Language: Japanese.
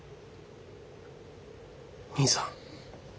兄さん。